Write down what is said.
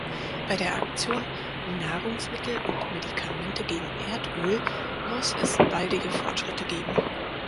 Bei der Aktion "Nahrungsmittel und Medikamente gegen Erdöl" muss es baldige Fortschritte geben.